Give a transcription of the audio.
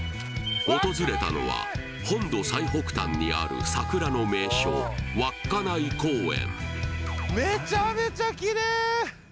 訪れたのは本土最北端にある桜の名所、稚内公園。